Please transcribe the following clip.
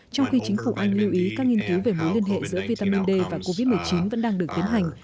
trong khi chính phủ anh lưu ý các nghiên cứu về mối liên hệ giữa vitamin d và covid một mươi chín vẫn đang được tiến hành